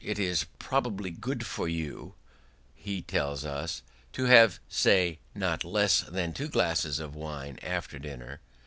"It is probably good for you", he tells us, "to have, say, not less than two glasses of wine after dinner.